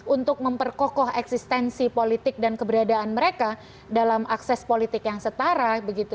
untuk memperkokoh eksistensi politik dan keberadaan mereka dalam akses politik yang setara